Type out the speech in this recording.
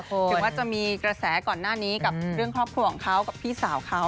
ถึงว่าจะมีกระแสก่อนหน้านี้กับเรื่องครอบครัวของเขากับพี่สาวเขา